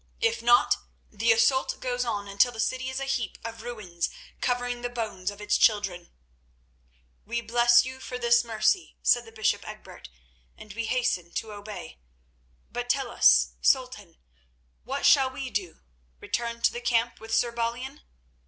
If not, the assault goes on until the city is a heap of ruins covering the bones of its children." "We bless you for this mercy," said the bishop Egbert, "and we hasten to obey. But tell us, Sultan, what shall we do? Return to the camp with Sir Balian?"